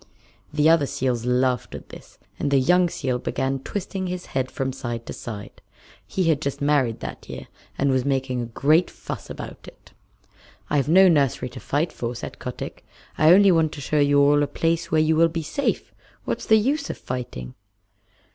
The other seals laughed at this, and the young seal began twisting his head from side to side. He had just married that year, and was making a great fuss about it. "I've no nursery to fight for," said Kotick. "I only want to show you all a place where you will be safe. What's the use of fighting?"